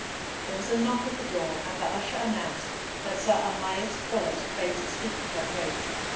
There was a knock at the door, and the usher announced that Sir Amias Paulett prayed to speak with her Grace.